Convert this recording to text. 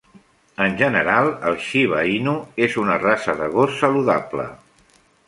En general, el Shiba Inu és una raça de gos saludable.